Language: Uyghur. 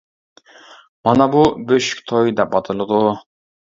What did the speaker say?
مانا بۇ بۆشۈك توي دەپ ئاتىلىدۇ.